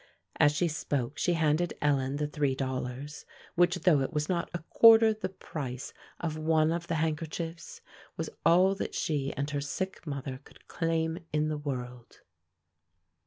As she spoke she handed Ellen the three dollars, which, though it was not a quarter the price of one of the handkerchiefs, was all that she and her sick mother could claim in the world.